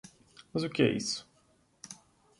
Mas o que é isso?